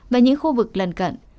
và những khu vực lần cận